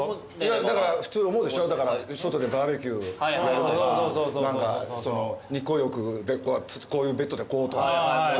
だから普通思うでしょ外でバーベキューやるとか何かその日光浴こういうベッドでこうとか。